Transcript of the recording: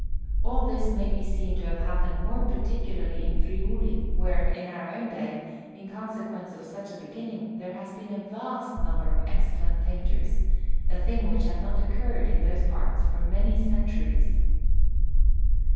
All this may be seen to have happened more particularly in Friuli, where, in our own day, in consequence of such a beginning, there has been a vast number of excellent painters a thing which had not occurred in those parts for many centuries.